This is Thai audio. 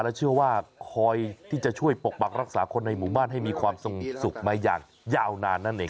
และเชื่อว่าคอยที่จะช่วยปกปักรักษาคนในหมู่บ้านให้มีความทรงสุขมาอย่างยาวนานนั่นเอง